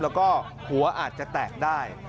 แล้วก็หัวอาจจะแตกได้